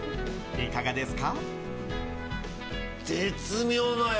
いかがですか？